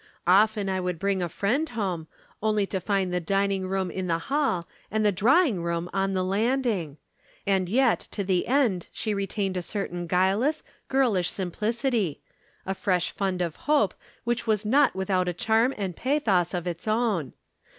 Often I would bring a friend home, only to find the dining room in the hall and the drawing room on the landing. And yet to the end she retained a certain guileless, girlish simplicity a fresh fund of hope which was not without a charm and pathos of its own.